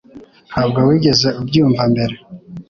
Ntabwo wigeze ubyumva mbere.